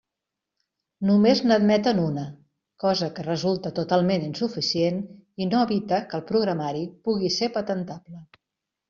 Només n'admeten una, cosa que resulta totalment insuficient i no evita que el programari puga ser patentable.